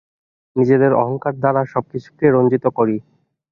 নিজেদের অহঙ্কার দ্বারা আমরা সবকিছুকে রঞ্জিত করি।